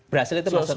berhasil itu maksudnya